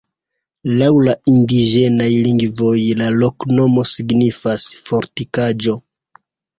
Laŭ la indiĝenaj lingvoj la loknomo signifas: fortikaĵo.